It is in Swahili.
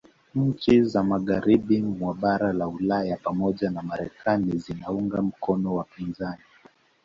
Nhi za magharibi mwa bara la Ulaya pamoja na Marekani zinaunga mkono wapinzani